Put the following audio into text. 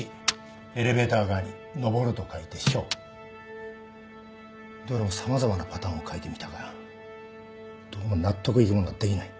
エレベーター側に昇ると書いて「昇」どれも様々なパターンを書いてみたがどうも納得いくものができない。